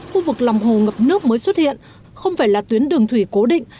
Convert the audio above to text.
khu vực lòng hồ ngập nước mới xuất hiện không phải là tuyến đường thủy cố định